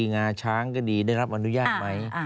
งาช้างก็ดีได้รับอนุญาตไหม